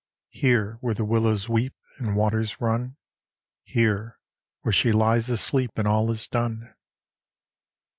Here where the willows weep And waters run; Here where she lies asleep And all is done.